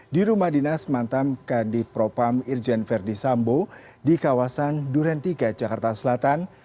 di rumah dinas mantan kadif propam irjen verdi sambo di kawasan duren tiga jakarta selatan